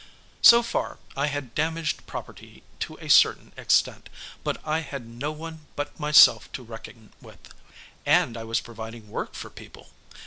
So far I had damaged property to a certain extent, but I had no one but myself to reckon with, and I was providing work for people.